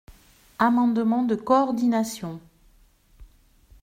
Amendement de coordination.